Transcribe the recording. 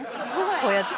こうやって。